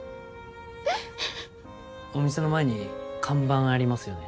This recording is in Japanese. お店の前に看板ありますよね。